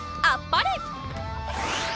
あっぱれ！